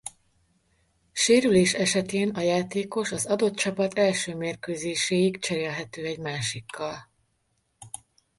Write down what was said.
Sérülés esetén a játékos az adott csapat első mérkőzéséig cserélhető egy másikkal.